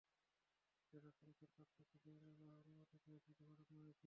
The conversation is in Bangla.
সেসব সংস্থার কাছ থেকে জমি ব্যবহারের অনুমতি চেয়ে চিঠি পাঠানো হয়েছে।